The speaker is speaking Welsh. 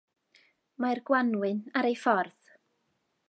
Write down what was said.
Mae'r gwanwyn ar ei ffordd.